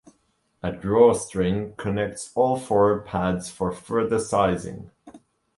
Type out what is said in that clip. A drawstring connects all four pads for further sizing.